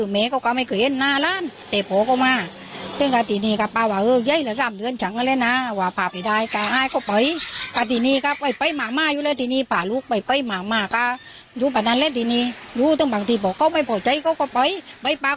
มีสามเดือนชายบอกว่าเรือไหล้ไม่เคยอีกล้างแล้วก็เขยไปเหล้งถูกกันมา